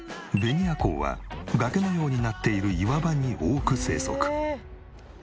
ベニアコウは崖のようになっている岩場に多く生息。